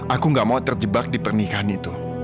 aku gak mau terjebak di pernikahan itu